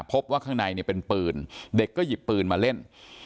พบว่าข้างในเนี่ยเป็นปืนเด็กก็หยิบปืนมาเล่น